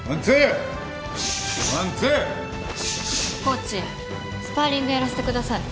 コーチスパーリングやらせてください。